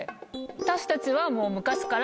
私たちはもう昔から。